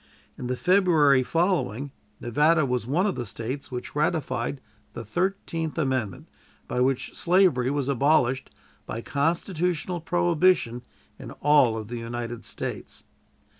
In the February following Nevada was one of the States which ratified the Thirteenth Amendment, by which slavery was abolished by constitutional prohibition in all of the United States.